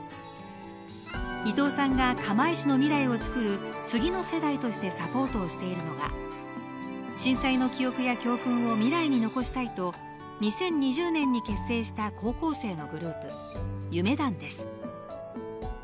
伊藤さんが釜石市の未来をつくる次の世代としてサポートをしているのが、震災の記憶や教訓を未来に残したいと２０２０年に結成した高校生のグループ・夢団です。